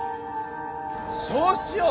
そうしよう！